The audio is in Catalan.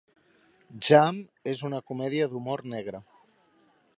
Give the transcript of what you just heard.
"Jam" és una comèdia d'humor negre.